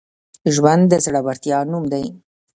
ژوند د زړورتیا نوم دی.